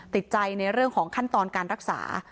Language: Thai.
ติดใจในเรื่องของขั้นตอนการรักษา